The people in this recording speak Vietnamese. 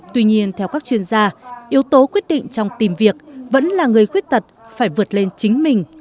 tuy nhiên theo các chuyên gia yếu tố quyết định trong tìm việc vẫn là người khuyết tật phải vượt lên chính mình